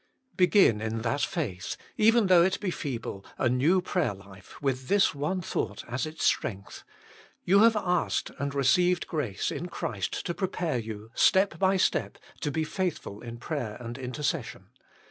Begin in that faith, even though it be feeble, a new prayer life, with this one thought as its strength :" You have asked and received grace in Christ to prepare you, step by step, to be faithful in prayer and intercession.